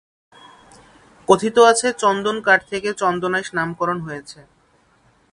কথিত আছে চন্দন কাঠ থেকে চন্দনাইশ নামকরণ হয়েছে।